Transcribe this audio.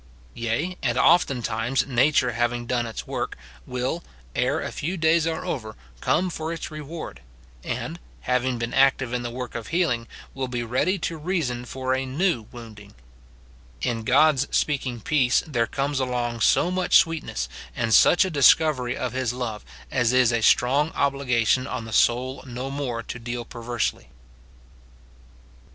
Yea, and oftentimes nature having done its work, will, ere a few days are over, come for its roAvard ; and, having been active in the work of healing, will be ready to reason for a new wounding. In God's speaking peace there comes along so much sweetness, and such a discovery of his love, as is a strong obliga tion on the soul no more to deal perversely.J * 2 Kings V. 19. f Psa. Ixxxv.